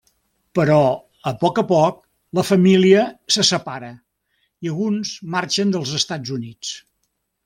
Però a poc a poc la família se separa i alguns marxen dels Estats Units.